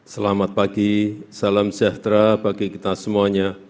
selamat pagi salam sejahtera bagi kita semuanya